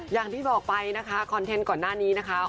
อย่างที่บอกไปนะคะคอนเทนต์ก่อนหน้านี้นะคะ